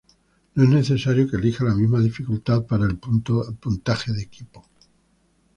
No es necesario que elija la misma dificultad para el puntaje de equipo.